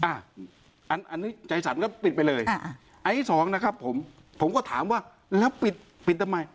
อันนี้ใจฉันก็ปิดไปเลยอันที่สองนะครับผมผมก็ถามว่าแล้วปิดปิดทำไม